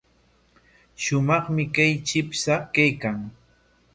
Shumaqmi kay chipsha kaykan.